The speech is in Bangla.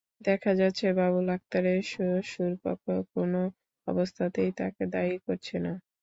দেখা যাচ্ছে, বাবুল আক্তারের শ্বশুরপক্ষ কোনো অবস্থাতেই তাঁকে দায়ী করছে না।